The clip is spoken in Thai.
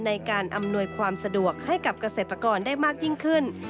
ในการอำนวยความสะดวกให้กับเกษตรกรได้มากยิ่งขึ้น